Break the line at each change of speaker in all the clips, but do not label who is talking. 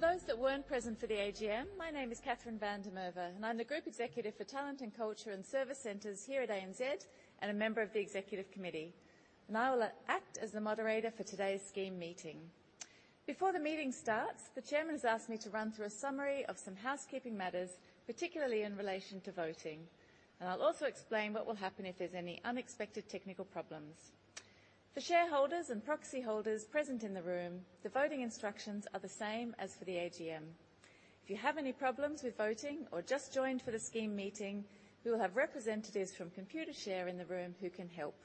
For those that weren't present for the AGM, my name is Kathryn van der Merwe, and I'm the Group Executive for Talent and Culture and Service Centres here at ANZ and a member of the Executive Committee. I will act as the moderator for today's Scheme Meeting. Before the meeting starts, the Chairman has asked me to run through a summary of some housekeeping matters, particularly in relation to voting, and I'll also explain what will happen if there's any unexpected technical problems. For shareholders and proxy holders present in the room, the voting instructions are the same as for the AGM. If you have any problems with voting or just joined for the Scheme Meeting, we will have representatives from Computershare in the room who can help.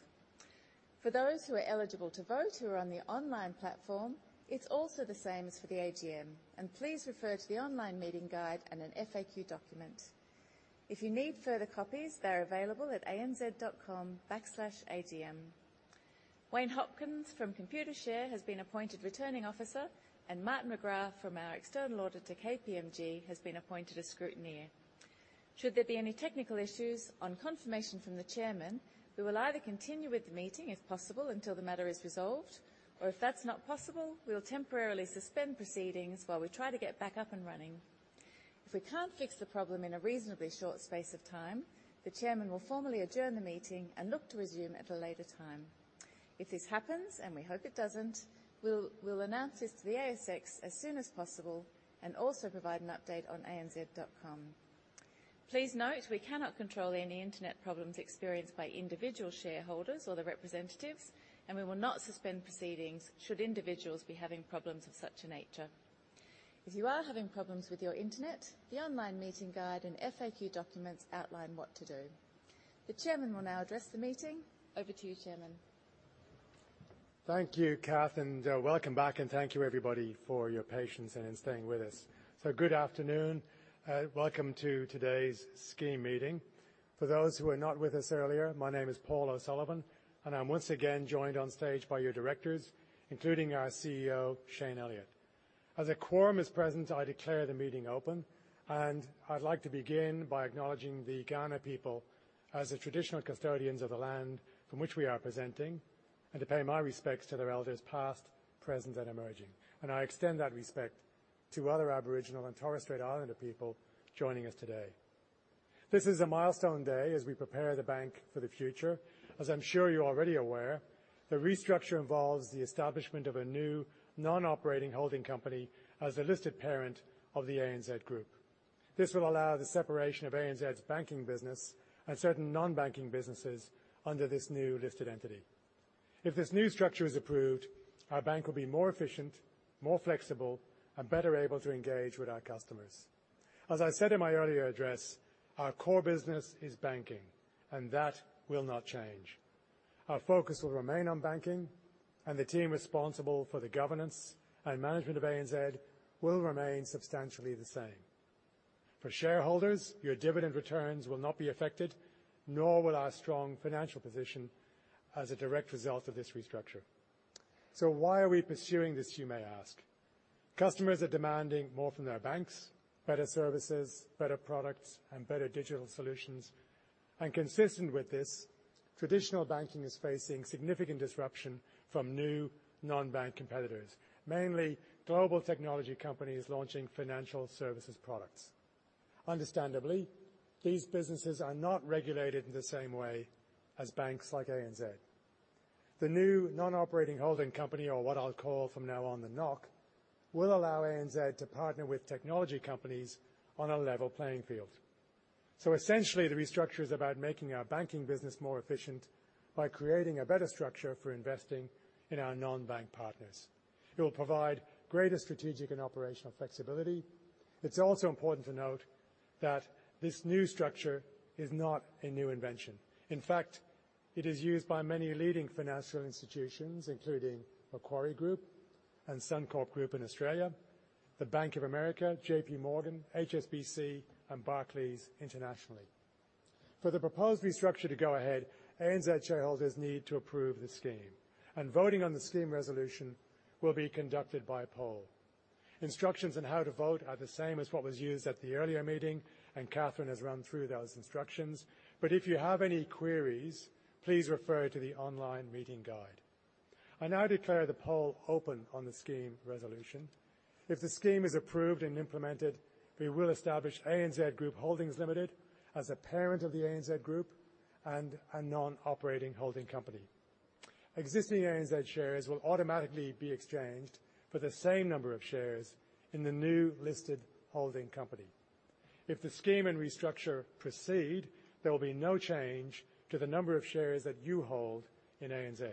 For those who are eligible to vote who are on the online platform, it's also the same as for the AGM, and please refer to the online meeting guide and an FAQ document. If you need further copies, they're available at anz.com/agm. Wayne Hopkins from Computershare has been appointed returning officer, and Martin McGrath from our external auditor, KPMG, has been appointed a scrutineer. Should there be any technical issues on confirmation from the Chairman, we will either continue with the meeting if possible until the matter is resolved, or if that's not possible, we'll temporarily suspend proceedings while we try to get back up and running. If we can't fix the problem in a reasonably short space of time, the Chairman will formally adjourn the meeting and look to resume at a later time. If this happens, and we hope it doesn't, we'll announce this to the ASX as soon as possible and also provide an update on anz.com. Please note we cannot control any internet problems experienced by individual shareholders or the representatives, and we will not suspend proceedings should individuals be having problems of such a nature. If you are having problems with your internet, the online meeting guide and FAQ documents outline what to do. The Chairman will now address the meeting. Over to you, Chairman.
Thank you, Kath, and welcome back, and thank you, everybody, for your patience and staying with us, so good afternoon, and welcome to today's Scheme Meeting. For those who were not with us earlier, my name is Paul O'Sullivan, and I'm once again joined on stage by your directors, including our CEO, Shayne Elliott. As a quorum is present, I declare the meeting open, and I'd like to begin by acknowledging the Kaurna people as the traditional custodians of the land from which we are presenting, and to pay my respects to their elders past, present, and emerging, and I extend that respect to other Aboriginal and Torres Strait Islander people joining us today. This is a milestone day as we prepare the bank for the future. As I'm sure you're already aware, the restructure involves the establishment of a new non-operating holding company as the listed parent of the ANZ Group. This will allow the separation of ANZ's banking business and certain non-banking businesses under this new listed entity. If this new structure is approved, our bank will be more efficient, more flexible, and better able to engage with our customers. As I said in my earlier address, our core business is banking, and that will not change. Our focus will remain on banking, and the team responsible for the governance and management of ANZ will remain substantially the same. For shareholders, your dividend returns will not be affected, nor will our strong financial position as a direct result of this restructure. So why are we pursuing this, you may ask? Customers are demanding more from their banks: better services, better products, and better digital solutions. Consistent with this, traditional banking is facing significant disruption from new non-bank competitors, mainly global technology companies launching financial services products. Understandably, these businesses are not regulated in the same way as banks like ANZ. The new non-operating holding company, or what I'll call from now on the NOHC, will allow ANZ to partner with technology companies on a level playing field. So essentially, the restructure is about making our banking business more efficient by creating a better structure for investing in our non-bank partners. It will provide greater strategic and operational flexibility. It's also important to note that this new structure is not a new invention. In fact, it is used by many leading financial institutions, including Macquarie Group and Suncorp Group in Australia, the Bank of America, JPMorgan, HSBC, and Barclays internationally. For the proposed restructure to go ahead, ANZ shareholders need to approve the scheme, and voting on the scheme resolution will be conducted by poll. Instructions on how to vote are the same as what was used at the earlier meeting, and Kathryn has run through those instructions. But if you have any queries, please refer to the online meeting guide. I now declare the poll open on the scheme resolution. If the scheme is approved and implemented, we will establish ANZ Group Holdings Limited as a parent of the ANZ Group and a non-operating holding company. Existing ANZ shares will automatically be exchanged for the same number of shares in the new listed holding company. If the scheme and restructure proceed, there will be no change to the number of shares that you hold in ANZ.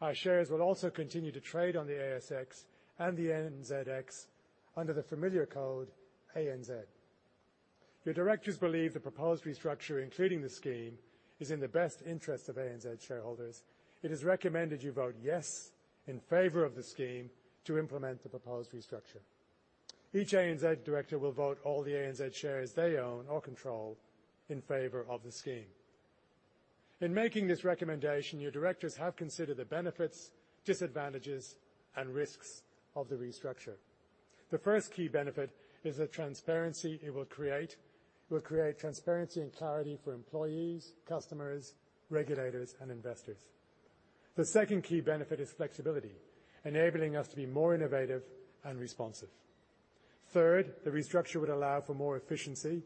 Our shares will also continue to trade on the ASX and the NZX under the familiar code ANZ. Your directors believe the proposed restructure, including the scheme, is in the best interest of ANZ shareholders. It is recommended you vote yes in favor of the scheme to implement the proposed restructure. Each ANZ director will vote all the ANZ shares they own or control in favor of the scheme. In making this recommendation, your directors have considered the benefits, disadvantages, and risks of the restructure. The first key benefit is the transparency it will create. It will create transparency and clarity for employees, customers, regulators, and investors. The second key benefit is flexibility, enabling us to be more innovative and responsive. Third, the restructure would allow for more efficiency,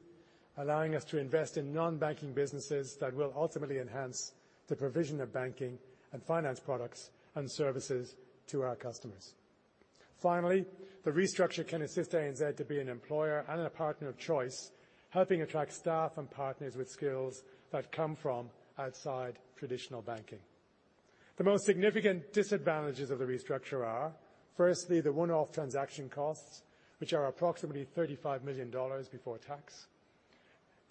allowing us to invest in non-banking businesses that will ultimately enhance the provision of banking and finance products and services to our customers. Finally, the restructure can assist ANZ to be an employer and a partner of choice, helping attract staff and partners with skills that come from outside traditional banking. The most significant disadvantages of the restructure are, firstly, the one-off transaction costs, which are approximately 35 million dollars before-tax,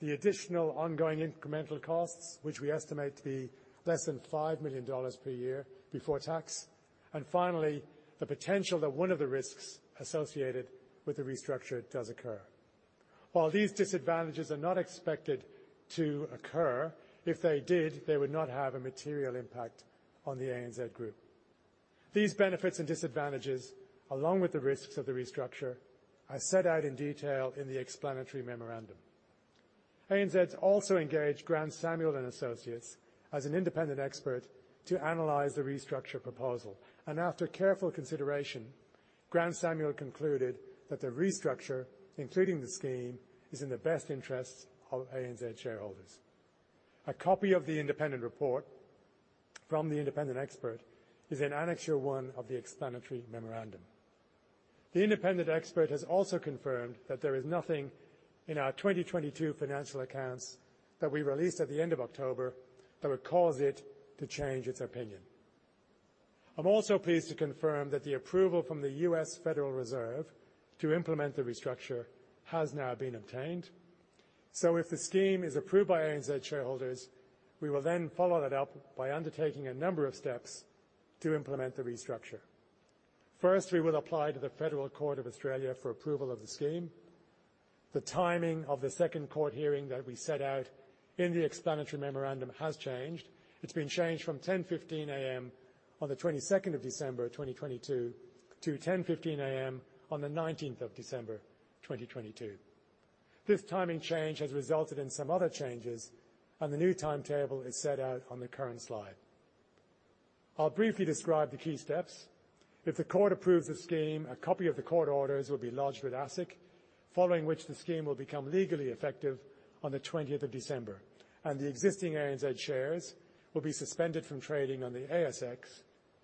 the additional ongoing incremental costs, which we estimate to be less than 5 million dollars per year before-tax, and finally, the potential that one of the risks associated with the restructure does occur. While these disadvantages are not expected to occur, if they did, they would not have a material impact on the ANZ Group. These benefits and disadvantages, along with the risks of the restructure, are set out in detail in the Explanatory Memorandum. ANZ also engaged Grant Samuel as an independent expert to analyze the restructure proposal, and after careful consideration, Grant Samuel concluded that the restructure, including the scheme, is in the best interests of ANZ shareholders. A copy of the independent report from the independent expert is in Annexure 1 of the Explanatory Memorandum. The independent expert has also confirmed that there is nothing in our 2022 financial accounts that we released at the end of October that would cause it to change its opinion. I'm also pleased to confirm that the approval from the U.S. Federal Reserve to implement the restructure has now been obtained. So if the scheme is approved by ANZ shareholders, we will then follow that up by undertaking a number of steps to implement the restructure. First, we will apply to the Federal Court of Australia for approval of the scheme. The timing of the second court hearing that we set out in the Explanatory Memorandum has changed. It's been changed from 10:15AM. on the 22nd of December 2022 to 10:15AM. on the 19th of December 2022. This timing change has resulted in some other changes, and the new timetable is set out on the current slide. I'll briefly describe the key steps. If the court approves the scheme, a copy of the court orders will be lodged with ASIC, following which the scheme will become legally effective on the 20th of December, and the existing ANZ shares will be suspended from trading on the ASX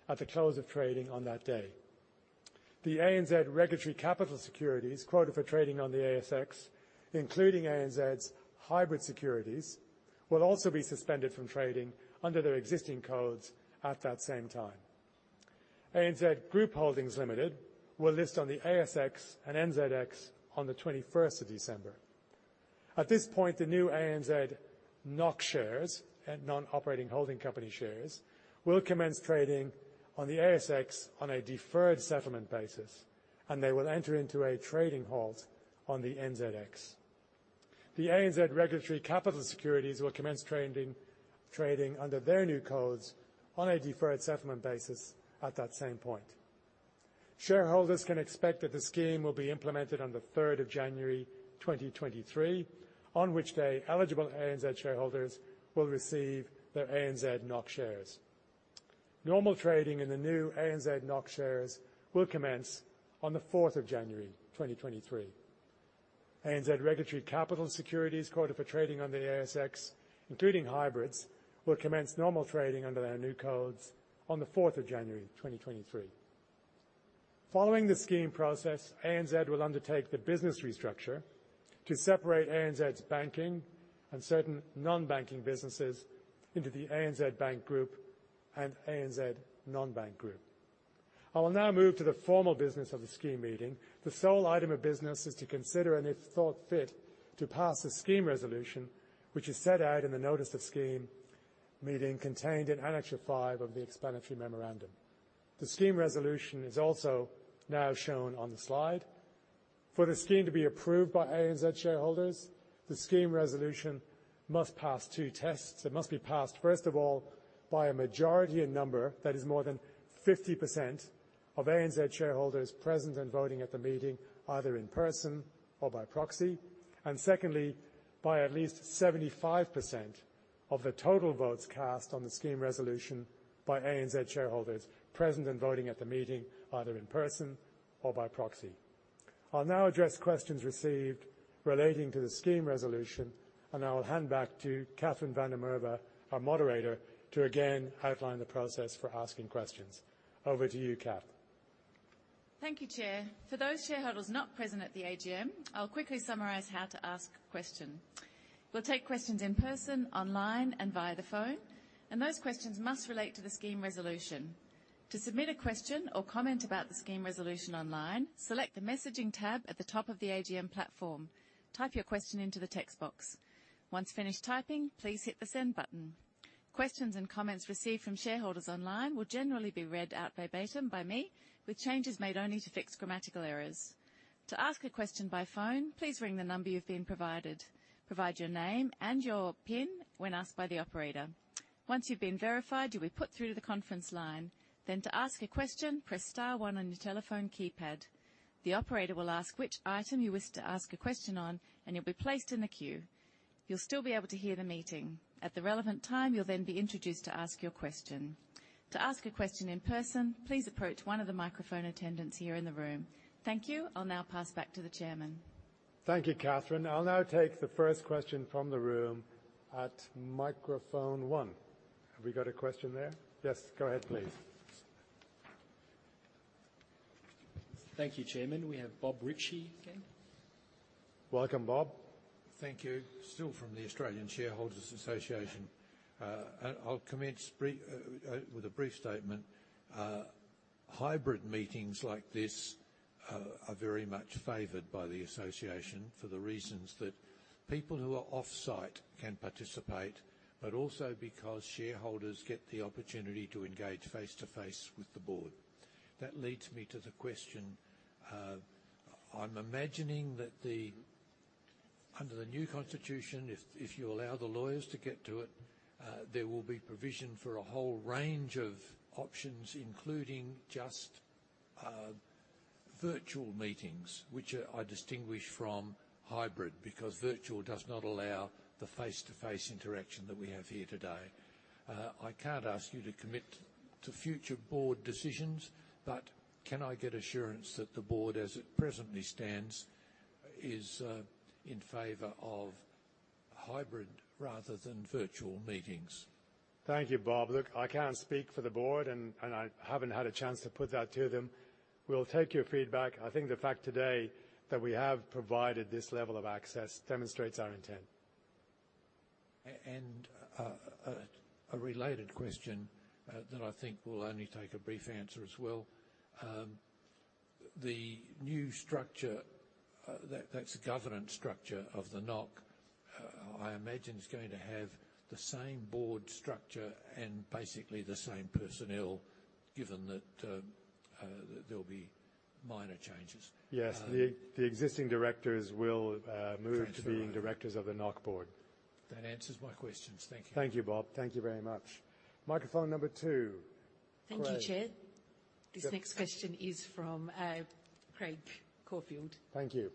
at the close of trading on that day. The ANZ regulatory capital securities quoted for trading on the ASX, including ANZ's hybrid securities, will also be suspended from trading under their existing codes at that same time. ANZ Group Holdings Limited will list on the ASX and NZX on the 21st of December. At this point, the new ANZ NOHC shares and non-operating holding company shares will commence trading on the ASX on a deferred settlement basis, and they will enter into a trading halt on the NZX. The ANZ regulatory capital securities will commence trading under their new codes on a deferred settlement basis at that same point. Shareholders can expect that the scheme will be implemented on the 3rd of January 2023, on which day eligible ANZ shareholders will receive their ANZ NOHC shares. Normal trading in the new ANZ NOHC shares will commence on the 4th of January 2023. ANZ regulatory capital securities quoted for trading on the ASX, including hybrids, will commence normal trading under their new codes on the 4th of January 2023. Following the scheme process, ANZ will undertake the business restructure to separate ANZ's banking and certain non-banking businesses into the ANZ Bank Group and ANZ Non-Bank Group. I will now move to the formal business of the Scheme Meeting. The sole item of business is to consider and, if thought fit, to pass the scheme resolution, which is set out in the notice of Scheme Meeting contained in Annexure 5 of the Explanatory Memorandum. The scheme resolution is also now shown on the slide. For the scheme to be approved by ANZ shareholders, the scheme resolution must pass two tests. It must be passed, first of all, by a majority in number that is more than 50% of ANZ shareholders present and voting at the meeting, either in person or by proxy, and secondly, by at least 75% of the total votes cast on the scheme resolution by ANZ shareholders present and voting at the meeting, either in person or by proxy. I'll now address questions received relating to the scheme resolution, and I will hand back to Kathryn van der Merwe, our moderator, to again outline the process for asking questions. Over to you, Kath.
Thank you, Chair. For those shareholders not present at the AGM, I'll quickly summarize how to ask a question. We'll take questions in person, online, and via the phone, and those questions must relate to the scheme resolution. To submit a question or comment about the scheme resolution online, select the messaging tab at the top of the AGM platform. Type your question into the text box. Once finished typing, please hit the send button. Questions and comments received from shareholders online will generally be read out verbatim by me, with changes made only to fix grammatical errors. To ask a question by phone, please ring the number you've been provided. Provide your name and your PIN when asked by the operator. Once you've been verified, you'll be put through to the conference line. Then, to ask a question, press star one on your telephone keypad. The operator will ask which item you wish to ask a question on, and you'll be placed in the queue. You'll still be able to hear the meeting. At the relevant time, you'll then be introduced to ask your question. To ask a question in person, please approach one of the microphone attendants here in the room. Thank you. I'll now pass back to the chairman.
Thank you, Kathryn. I'll now take the first question from the room at microphone one. Have we got a question there? Yes, go ahead, please.
Thank you, Chairman. We have Bob Ritchie again.
Welcome, Bob.
Thank you. Still from the Australian Shareholders Association. I'll commence with a brief statement. Hybrid meetings like this are very much favored by the association for the reasons that people who are off-site can participate, but also because shareholders get the opportunity to engage face-to-face with the board. That leads me to the question. I'm imagining that under the new constitution, if you allow the lawyers to get to it, there will be provision for a whole range of options, including just virtual meetings, which I distinguish from hybrid because virtual does not allow the face-to-face interaction that we have here today. I can't ask you to commit to future board decisions, but can I get assurance that the board, as it presently stands, is in favor of hybrid rather than virtual meetings?
Thank you, Bob. Look, I can't speak for the board, and I haven't had a chance to put that to them. We'll take your feedback. I think the fact today that we have provided this level of access demonstrates our intent.
And a related question that I think will only take a brief answer as well. The new structure that's a governance structure of the NOHC, I imagine it's going to have the same board structure and basically the same personnel, given that there'll be minor changes.
Yes, the existing directors will move to being directors of the NOHC board.
That answers my questions. Thank you.
Thank you, Bob. Thank you very much. Microphone number two.
Thank you, Chair. This next question is from Craig Corfield.
Thank you,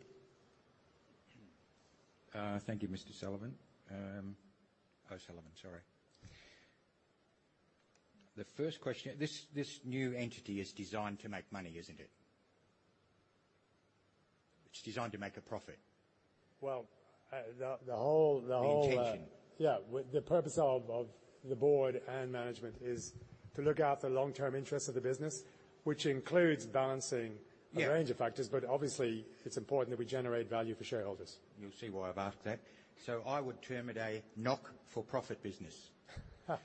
Mr. O’Sullivan. Oh, O’Sullivan, sorry. The first question, this new entity is designed to make money, isn't it? It's designed to make a profit.
The whole.
The intention.
Yeah, the purpose of the board and management is to look after long-term interests of the business, which includes balancing a range of factors, but obviously, it's important that we generate value for shareholders.
You'll see why I've asked that. So I would term it a NOHC for profit business. So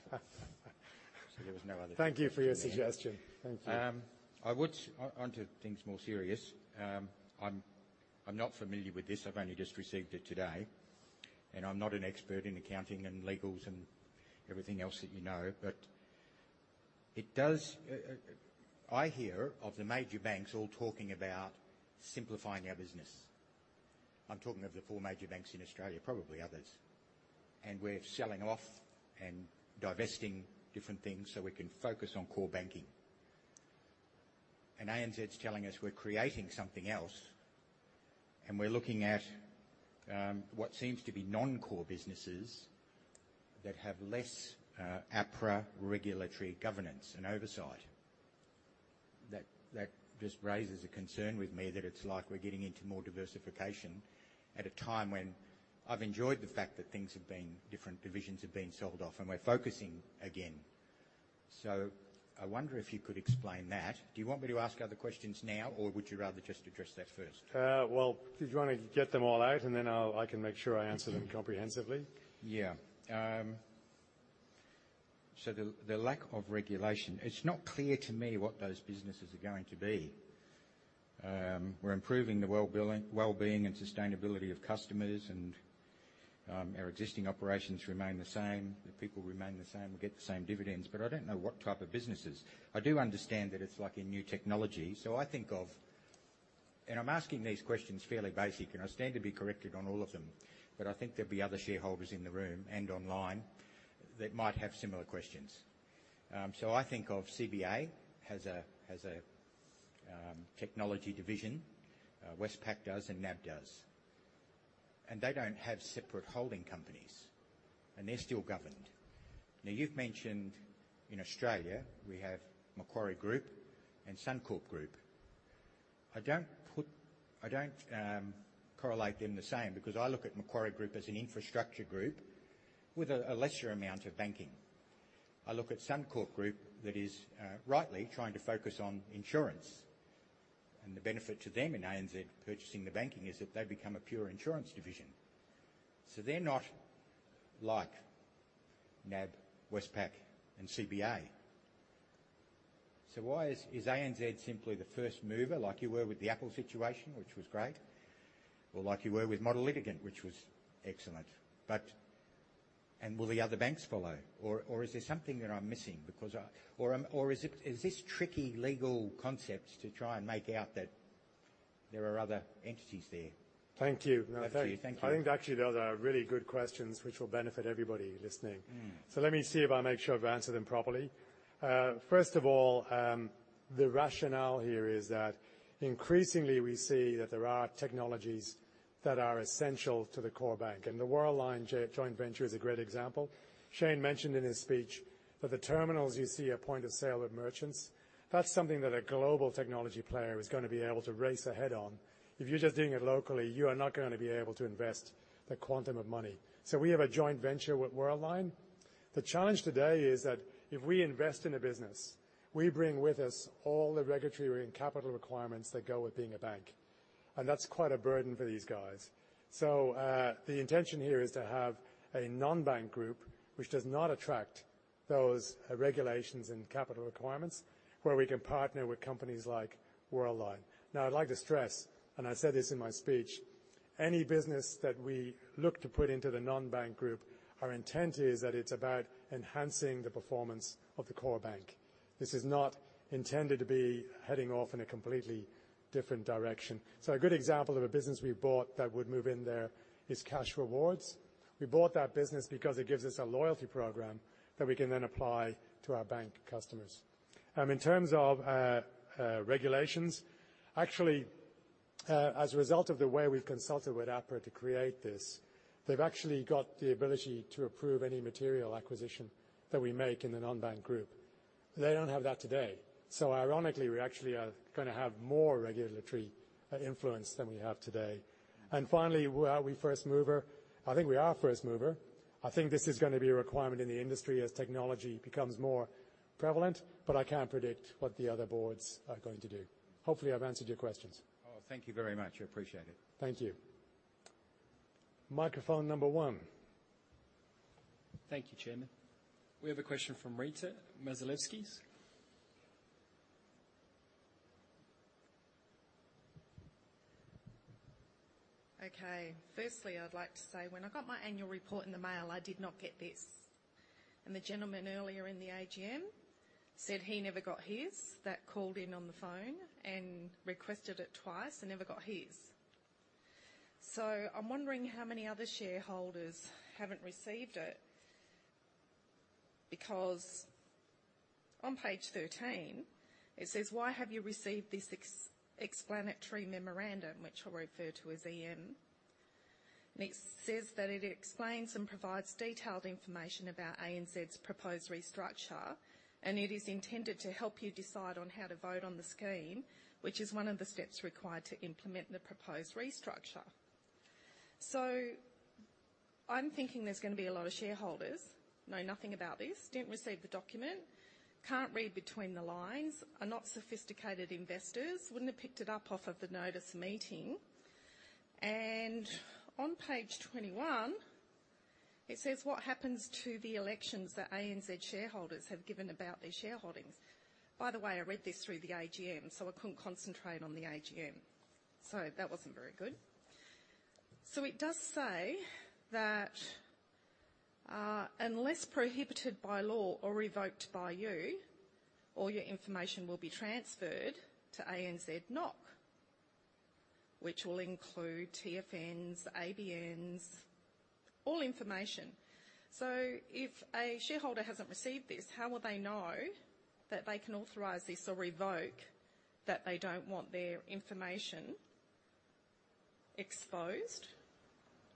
there was no other thing.
Thank you for your suggestion. Thank you.
I would want to think more seriously. I'm not familiar with this. I've only just received it today, and I'm not an expert in accounting and legals and everything else that you know, but it does. I hear of the major banks all talking about simplifying our business. I'm talking of the four major banks in Australia, probably others, and we're selling off and divesting different things so we can focus on core banking, and ANZ's telling us we're creating something else, and we're looking at what seems to be non-core businesses that have less APRA regulatory governance and oversight. That just raises a concern with me that it's like we're getting into more diversification at a time when I've enjoyed the fact that things have been different divisions have been sold off, and we're focusing again, so I wonder if you could explain that. Do you want me to ask other questions now, or would you rather just address that first?
Did you want to get them all out, and then I can make sure I answer them comprehensively?
Yeah. So the lack of regulation, it's not clear to me what those businesses are going to be. We're improving the well-being and sustainability of customers, and our existing operations remain the same. The people remain the same. We get the same dividends, but I don't know what type of businesses. I do understand that it's like a new technology, so I think of and I'm asking these questions fairly basic, and I stand to be corrected on all of them, but I think there'll be other shareholders in the room and online that might have similar questions. So I think of CBA as a technology division, Westpac does and NAB does, and they don't have separate holding companies, and they're still governed. Now, you've mentioned in Australia, we have Macquarie Group and Suncorp Group. I don't correlate them the same because I look at Macquarie Group as an infrastructure group with a lesser amount of banking. I look at Suncorp Group that is rightly trying to focus on insurance, and the benefit to them in ANZ purchasing the banking is that they become a pure insurance division. So they're not like NAB, Westpac, and CBA. So why is ANZ simply the first mover like you were with the Apple situation, which was great, or like you were with Model Litigant, which was excellent? And will the other banks follow, or is there something that I'm missing? Or is this tricky legal concept to try and make out that there are other entities there?
Thank you. Thank you. I think actually those are really good questions which will benefit everybody listening. So let me see if I make sure I've answered them properly. First of all, the rationale here is that increasingly we see that there are technologies that are essential to the core bank, and the Worldline joint venture is a great example. Shayne mentioned in his speech that the terminals you see at point of sale of merchants, that's something that a global technology player is going to be able to race ahead on. If you're just doing it locally, you are not going to be able to invest the quantum of money. So we have a joint venture with Worldline. The challenge today is that if we invest in a business, we bring with us all the regulatory and capital requirements that go with being a bank, and that's quite a burden for these guys. So the intention here is to have a non-bank group which does not attract those regulations and capital requirements where we can partner with companies like Worldline. Now, I'd like to stress, and I said this in my speech, any business that we look to put into the non-bank group, our intent is that it's about enhancing the performance of the core bank. This is not intended to be heading off in a completely different direction. So a good example of a business we bought that would move in there is Cashrewards. We bought that business because it gives us a loyalty program that we can then apply to our bank customers. In terms of regulations, actually, as a result of the way we've consulted with APRA to create this, they've actually got the ability to approve any material acquisition that we make in the non-bank group. They don't have that today. So ironically, we actually are going to have more regulatory influence than we have today. And finally, are we first mover? I think we are first mover. I think this is going to be a requirement in the industry as technology becomes more prevalent, but I can't predict what the other boards are going to do. Hopefully, I've answered your questions.
Oh, thank you very much. I appreciate it.
Thank you. Microphone number one.
Thank you, Chairman. We have a question from Rita Milewski.
Okay. Firstly, I'd like to say when I got my annual report in the mail, I did not get this, and the gentleman earlier in the AGM said he never got his that called in on the phone and requested it twice and never got his. So I'm wondering how many other shareholders haven't received it because on page 13, it says, "Why have you received this Explanatory Memorandum?" which I refer to as EM, and it says that it explains and provides detailed information about ANZ's proposed restructure, and it is intended to help you decide on how to vote on the scheme, which is one of the steps required to implement the proposed restructure. I'm thinking there's going to be a lot of shareholders [who] know nothing about this, didn't receive the document, can't read between the lines, are not sophisticated investors, wouldn't have picked it up off of the notice meeting. On page 21, it says, "What happens to the elections that ANZ shareholders have given about their shareholdings?" By the way, I read this through the AGM, so I couldn't concentrate on the AGM, so that wasn't very good. It does say that unless prohibited by law or revoked by you, all your information will be transferred to ANZ NOHC, which will include TFNs, ABNs, all information. If a shareholder hasn't received this, how will they know that they can authorize this or revoke that they don't want their information exposed?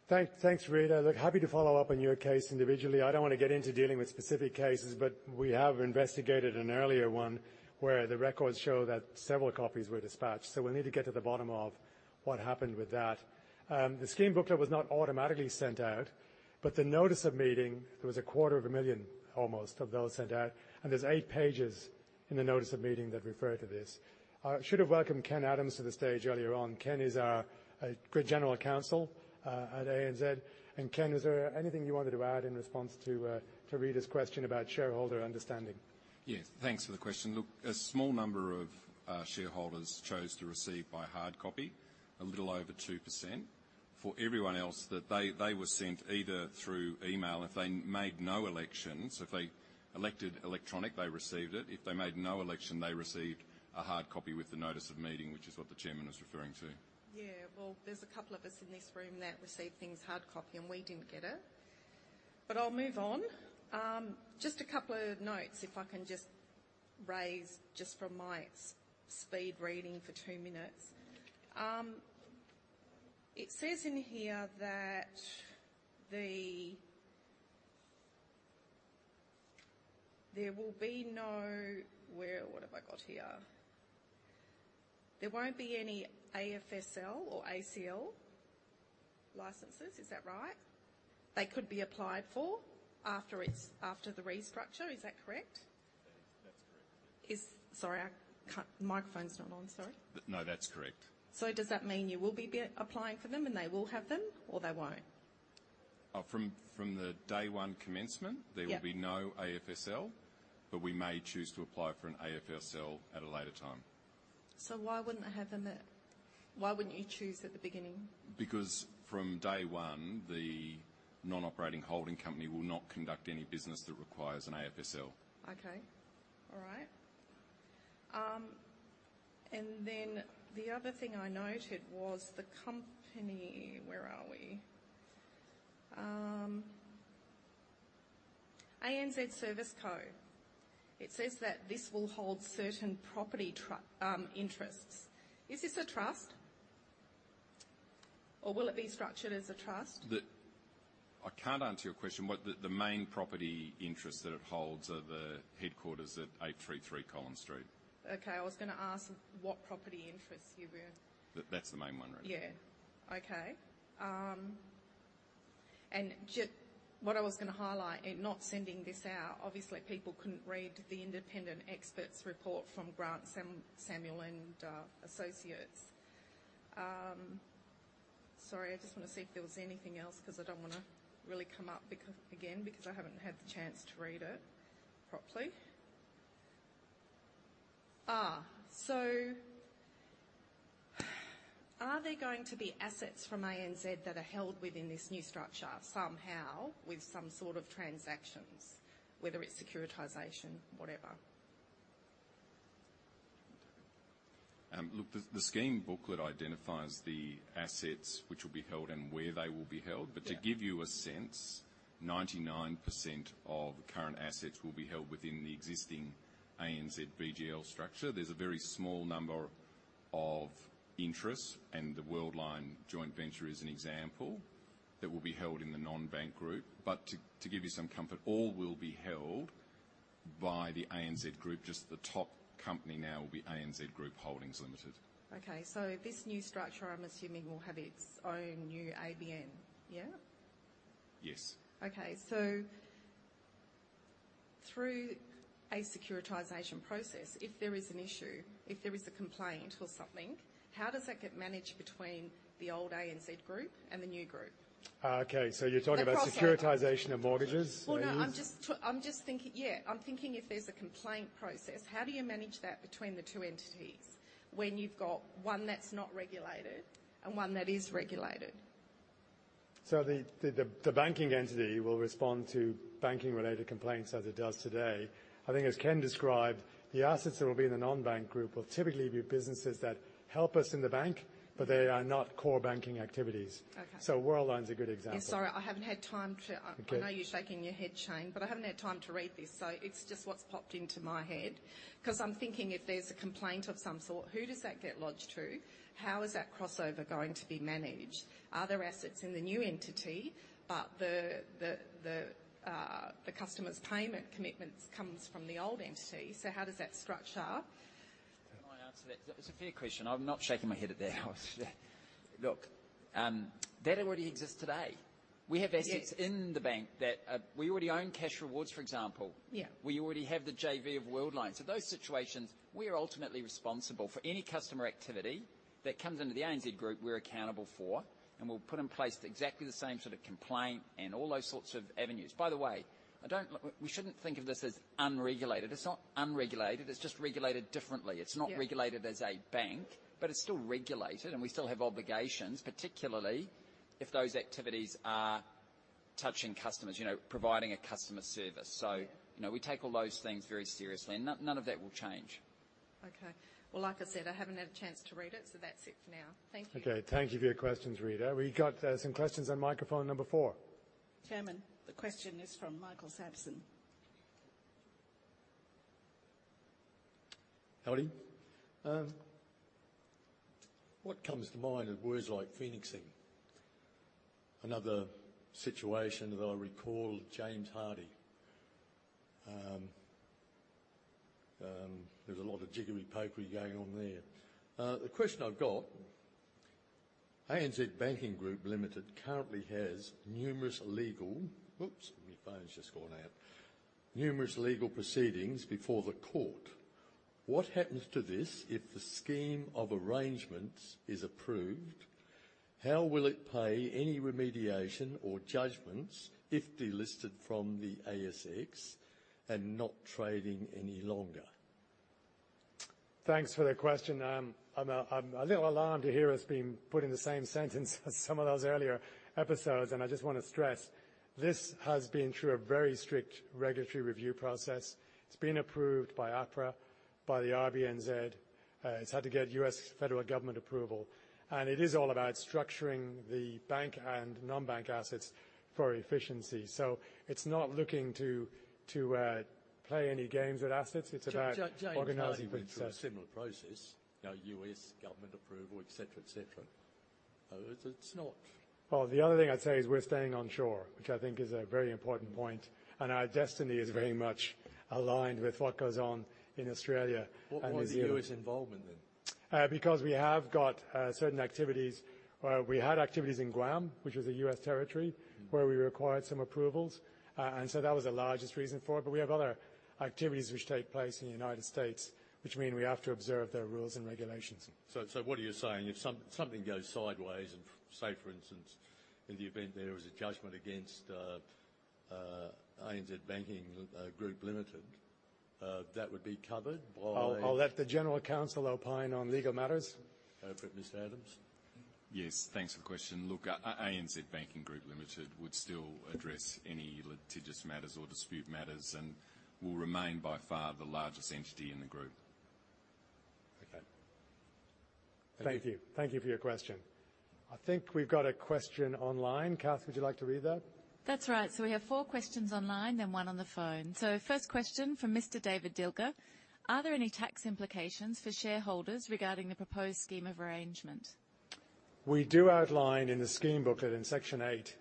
Thanks, Rita. Look, happy to follow up on your case individually. I don't want to get into dealing with specific cases, but we have investigated an earlier one where the records show that several copies were dispatched. So we'll need to get to the bottom of what happened with that. The scheme booklet was not automatically sent out, but the notice of meeting, there was a quarter of a million almost of those sent out, and there's eight pages in the notice of meeting that refer to this. I should have welcomed Ken Adams to the stage earlier on. Ken is General Counsel at ANZ, and Ken, is there anything you wanted to add in response to Rita's question about shareholder understanding?
Yes, thanks for the question. Look, a small number of shareholders chose to receive by hard copy, a little over 2%. For everyone else, they were sent either through email. If they made no elections, if they elected electronic, they received it. If they made no election, they received a hard copy with the notice of meeting, which is what the chairman is referring to.
Yeah. Well, there's a couple of us in this room that received things hard copy, and we didn't get it. But I'll move on. Just a couple of notes, if I can just raise just from my speed reading for two minutes. It says in here that there will be no, where what have I got here? There won't be any AFSL or ACL licenses. Is that right? They could be applied for after the restructure. Is that correct?
That is correct.
Sorry, my microphone's not on. Sorry.
No, that's correct.
So does that mean you will be applying for them and they will have them, or they won't?
From the day one commencement, there will be no AFSL, but we may choose to apply for an AFSL at a later time.
So why wouldn't they have them? Why wouldn't you choose at the beginning?
Because from day one, the non-operating holding company will not conduct any business that requires an AFSL.
Okay. All right. And then the other thing I noted was the company, where are we? ANZ Service Co. It says that this will hold certain property interests. Is this a trust, or will it be structured as a trust?
I can't answer your question. The main property interest that it holds are the headquarters at 833 Collins Street.
Okay. I was going to ask what property interests you were?
That's the main one, really.
Yeah. Okay. And what I was going to highlight in not sending this out, obviously, people couldn't read the independent experts' report from Grant Samuel and Associates. Sorry, I just want to see if there was anything else because I don't want to really come up again because I haven't had the chance to read it properly, so are there going to be assets from ANZ that are held within this new structure somehow with some sort of transactions, whether it's securitization, whatever?
Look, the scheme booklet identifies the assets which will be held and where they will be held. But to give you a sense, 99% of current assets will be held within the existing ANZ BGL structure. There's a very small number of interests, and the Worldline joint venture is an example that will be held in the non-bank group. But to give you some comfort, all will be held by the ANZ group. Just the top company now will be ANZ Group Holdings Limited.
Okay. So this new structure, I'm assuming, will have its own new ABN. Yeah?
Yes.
Okay. So, through a securitization process, if there is an issue, if there is a complaint or something, how does that get managed between the old ANZ group and the new group?
Okay. So you're talking about securitization of mortgages?
No. I'm just thinking, yeah. I'm thinking if there's a complaint process, how do you manage that between the two entities when you've got one that's not regulated and one that is regulated?
The banking entity will respond to banking-related complaints as it does today. I think, as Ken described, the assets that will be in the non-bank group will typically be businesses that help us in the bank, but they are not core banking activities. Worldline's a good example.
I haven't had time to read this. I know you're shaking your head, Shayne, but I haven't had time to read this. It's just what's popped into my head because I'm thinking if there's a complaint of some sort, who does that get lodged to? How is that crossover going to be managed? Are there assets in the new entity, but the customer's payment commitments come from the old entity? How does that structure?
Can I answer that? It's a fair question. I'm not shaking my head at that. Look, that already exists today. We have assets in the bank that we already own Cashrewards, for example. We already have the JV of Worldline. So those situations, we are ultimately responsible for any customer activity that comes into the ANZ group, we're accountable for, and we'll put in place exactly the same sort of complaint and all those sorts of avenues. By the way, we shouldn't think of this as unregulated. It's not unregulated. It's just regulated differently. It's not regulated as a bank, but it's still regulated, and we still have obligations, particularly if those activities are touching customers, providing a customer service. So we take all those things very seriously, and none of that will change.
Okay. Well, like I said, I haven't had a chance to read it, so that's it for now. Thank you.
Okay. Thank you for your questions, Rita. We got some questions on microphone number four.
Chairman, the question is from Michael Sampson.
Ellie, what comes to mind of words like phoenixing? Another situation that I recall, James Hardie. There's a lot of jiggery-pokery going on there. The question I've got, ANZ Banking Group Limited currently has numerous legal proceedings before the court. Oops, my phone's just gone out. Numerous legal proceedings before the court. What happens to this if the scheme of arrangements is approved? How will it pay any remediation or judgments if delisted from the ASX and not trading any longer?
Thanks for the question. I'm a little alarmed to hear us being put in the same sentence as some of those earlier episodes, and I just want to stress this has been through a very strict regulatory review process. It's been approved by APRA, by the RBNZ. It's had to get U.S. federal government approval, and it is all about structuring the bank and non-bank assets for efficiency. So it's not looking to play any games with assets, it's about organizing for success.
James Johnson, it's a similar process. No US government approval, etc., etc. It's not.
The other thing I'd say is we're staying onshore, which I think is a very important point. Our destiny is very much aligned with what goes on in Australia.
What was the U.S. involvement then?
Because we have got certain activities. We had activities in Guam, which was a U.S. territory, where we required some approvals. And so that was the largest reason for it. But we have other activities which take place in the United States, which mean we have to observe their rules and regulations.
So what are you saying? If something goes sideways, and say, for instance, in the event there was a judgment against Australia and New Zealand Banking Group Limited, that would be covered by?
I'll let the General Counsel opine on legal matters.
Perfect. Mr. Adams?
Yes. Thanks for the question. Look, Australia and New Zealand Banking Group Limited would still address any litigious matters or dispute matters and will remain by far the largest entity in the group.
Okay. Thank you. Thank you for your question. I think we've got a question online. Kath, would you like to read that?
That's right. So we have four questions online, then one on the phone. So first question from Mr. David Dilger. Are there any tax implications for shareholders regarding the proposed scheme of arrangement?
We do outline in the scheme booklet in section eight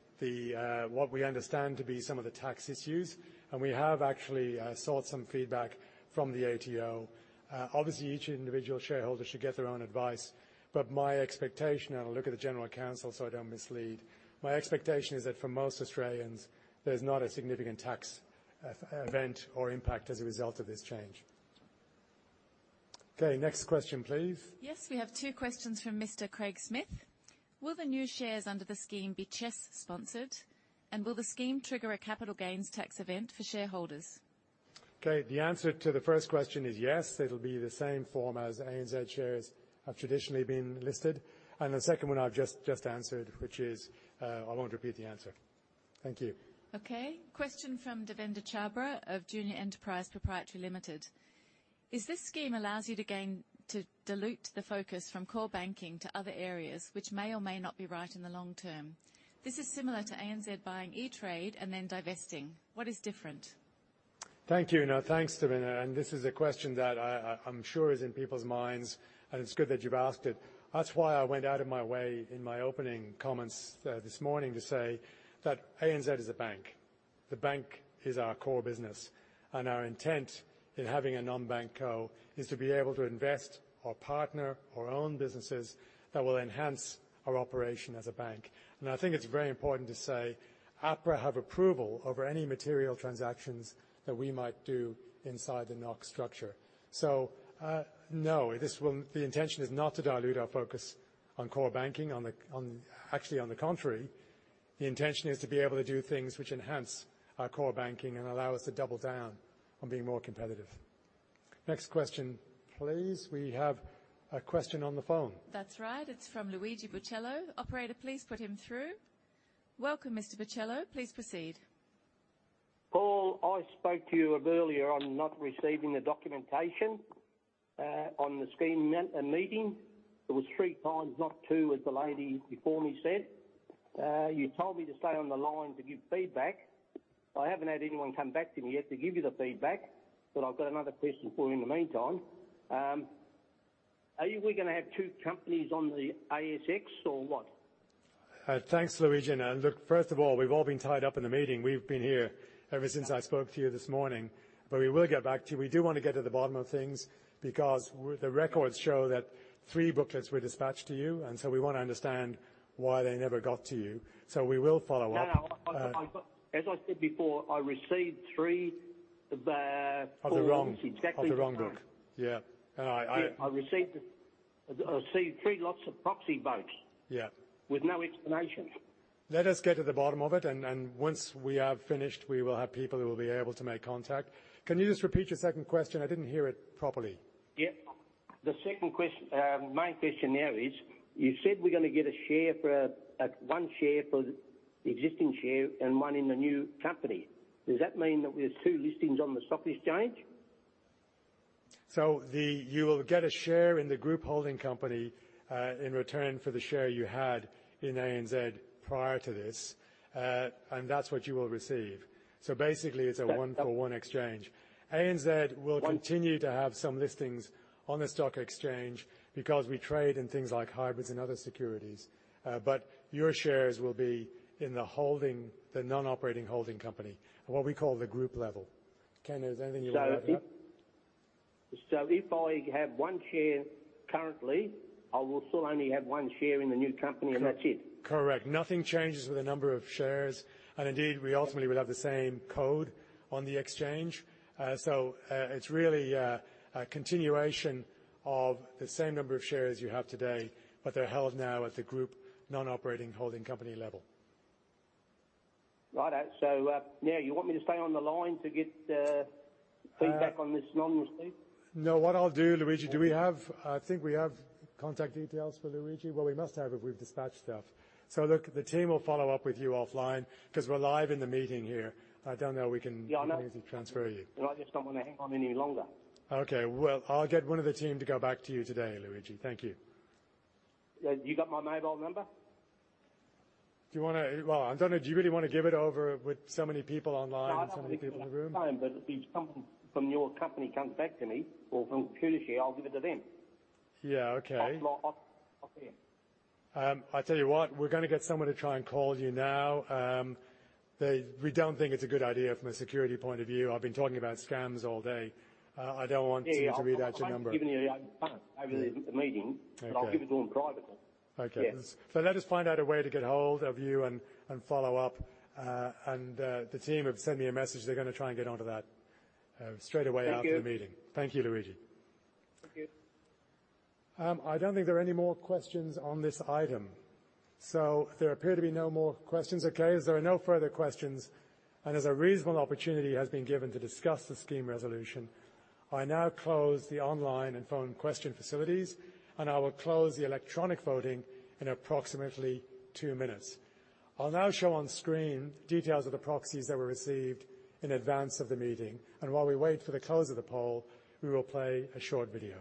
what we understand to be some of the tax issues, and we have actually sought some feedback from the ATO. Obviously, each individual shareholder should get their own advice, but my expectation, and I'll look at the General Counsel so I don't mislead, my expectation is that for most Australians, there's not a significant tax event or impact as a result of this change. Okay. Next question, please.
Yes. We have two questions from Mr. Craig Smith. Will the new shares under the scheme be CHESS-sponsored, and will the scheme trigger a capital gains tax event for shareholders?
Okay. The answer to the first question is yes. It'll be the same form as ANZ shares have traditionally been listed, and the second one I've just answered, which is I won't repeat the answer. Thank you.
Okay. Question from Devinder Chhabra of Junior Enterprise Pty Ltd. Is this scheme allows you to dilute the focus from core banking to other areas, which may or may not be right in the long term? This is similar to ANZ buying E*TRADE and then divesting. What is different?
Thank you. No, thanks, Devinder. And this is a question that I'm sure is in people's minds, and it's good that you've asked it. That's why I went out of my way in my opening comments this morning to say that ANZ is a bank. The bank is our core business, and our intent in having a non-bank co is to be able to invest or partner or own businesses that will enhance our operation as a bank. And I think it's very important to say APRA have approval over any material transactions that we might do inside the NOHC structure. So no, the intention is not to dilute our focus on core banking. Actually, on the contrary, the intention is to be able to do things which enhance our core banking and allow us to double down on being more competitive. Next question, please. We have a question on the phone.
That's right. It's from Luigi Buccello. Operator, please put him through. Welcome, Mr. Bucello. Please proceed.
Paul, I spoke to you earlier on not receiving the documentation on the Scheme Meeting. It was three times, not two, as the lady before me said. You told me to stay on the line to give feedback. I haven't had anyone come back to me yet to give you the feedback, but I've got another question for you in the meantime. Are we going to have two companies on the ASX or what?
Thanks, Luigi. And look, first of all, we've all been tied up in the meeting. We've been here ever since I spoke to you this morning, but we will get back to you. We do want to get to the bottom of things because the records show that three booklets were dispatched to you, and so we want to understand why they never got to you. So we will follow up.
As I said before, I received three booklets.
Of the wrong.
Exactly.
Of the wrong book. Yeah. And I.
I received three lots of proxy votes with no explanation.
Let us get to the bottom of it, and once we have finished, we will have people who will be able to make contact. Can you just repeat your second question? I didn't hear it properly.
Yeah. The second question, my question there is, you said we're going to get a share for one share for the existing share and one in the new company. Does that mean that we have two listings on the stock exchange?
So you will get a share in the group holding company in return for the share you had in ANZ prior to this, and that's what you will receive. So basically, it's a one-for-one exchange. ANZ will continue to have some listings on the stock exchange because we trade in things like hybrids and other securities, but your shares will be in the non-operating holding company, what we call the group level. Ken, is there anything you want to add?
So if I have one share currently, I will still only have one share in the new company, and that's it?
Correct. Nothing changes with the number of shares, and indeed, we ultimately will have the same code on the exchange. So it's really a continuation of the same number of shares you have today, but they're held now at the group non-operating holding company level.
Right. So now, you want me to stay on the line to get feedback on this nonsense?
No. What I'll do, Luigi, do we have, I think we have contact details for Luigi. Well, we must have if we've dispatched stuff. So look, the team will follow up with you offline because we're live in the meeting here. I don't know if we can easily transfer you.
Yeah. I just don't want to hang on any longer.
Okay. Well, I'll get one of the team to go back to you today, Luigi. Thank you.
You got my mobile number?
Do you want to, well, I don't know. Do you really want to give it over with so many people online and so many people in the room?
I don't have time, but if someone from your company comes back to me or from Kershay, I'll give it to them.
Yeah. Okay.
I'll see you.
I tell you what, we're going to get someone to try and call you now. We don't think it's a good idea from a security point of view. I've been talking about scams all day. I don't want to read out your number.
Given the fact I was in the meeting, but I'll give it to them privately.
Okay. So let us find out a way to get hold of you and follow up. And the team have sent me a message. They're going to try and get onto that straightaway after the meeting.
Thank you.
Thank you, Luigi.
Thank you.
I don't think there are any more questions on this item. So there appear to be no more questions. Okay. If there are no further questions and as a reasonable opportunity has been given to discuss the scheme resolution, I now close the online and phone question facilities, and I will close the electronic voting in approximately two minutes. I'll now show on screen details of the proxies that were received in advance of the meeting. And while we wait for the close of the poll, we will play a short video.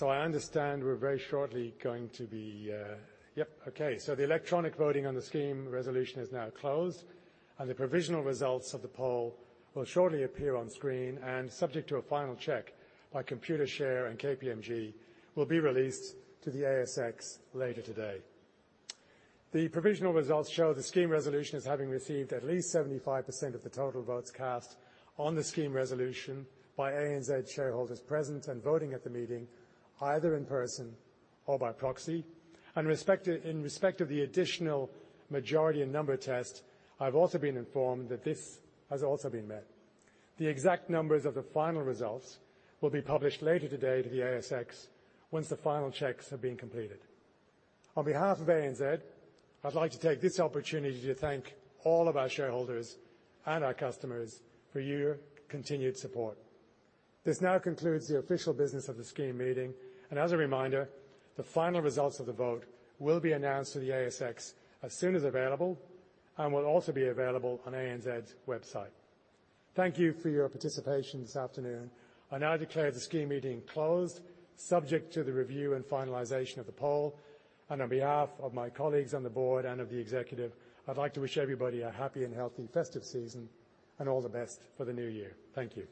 So I understand we're very shortly going to be. Yep. Okay. So the electronic voting on the scheme resolution is now closed, and the provisional results of the poll will shortly appear on screen and, subject to a final check by Computershare and KPMG, will be released to the ASX later today. The provisional results show the scheme resolution has received at least 75% of the total votes cast on the scheme resolution by ANZ shareholders present and voting at the meeting, either in person or by proxy. And in respect of the additional majority and number test, I've also been informed that this has also been met. The exact numbers of the final results will be published later today to the ASX once the final checks have been completed. On behalf of ANZ, I'd like to take this opportunity to thank all of our shareholders and our customers for your continued support. This now concludes the official business of the Scheme Meeting, and as a reminder, the final results of the vote will be announced to the ASX as soon as available and will also be available on ANZ's website. Thank you for your participation this afternoon. I now declare the Scheme Meeting closed, subject to the review and finalization of the poll, and on behalf of my colleagues on the board and of the executive, I'd like to wish everybody a happy and healthy festive season and all the best for the new year. Thank you.